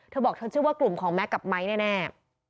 เธอบอกเธอชื่อว่ากลุ่มของแก๊กกับไมค์แน่